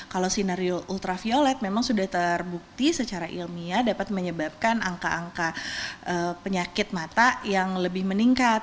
kalau sinario ultraviolet memang sudah terbukti secara ilmiah dapat menyebabkan angka angka penyakit mata yang lebih meningkat